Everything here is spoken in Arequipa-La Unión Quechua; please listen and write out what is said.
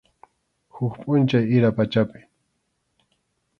Huk pʼunchawmi ira pachapi.